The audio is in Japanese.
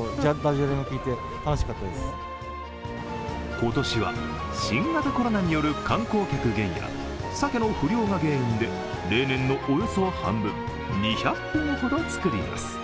今年は新型コロナによる観光客減やさけの不良が原因で例年のおよそ半分２００本ほど作ります。